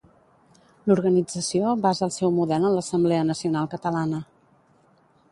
L'organització basa el seu model en l'Assemblea Nacional Catalana.